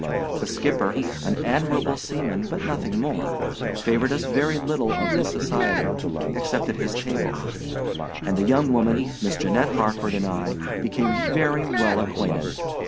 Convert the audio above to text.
The skipper, an admirable seaman but nothing more, favored us with very little of his society, except at his table; and the young woman, Miss Janette Harford, and I became very well acquainted.